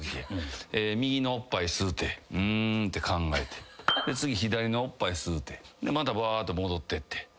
右のおっぱい吸うて「ん」って考えて次左のおっぱい吸うてまたバーッと戻ってって。